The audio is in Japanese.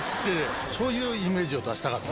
そういうイメージを出したかった。